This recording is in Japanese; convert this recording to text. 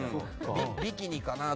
ビキニかなって。